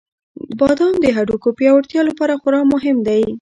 • بادام د هډوکو پیاوړتیا لپاره خورا مهم دی.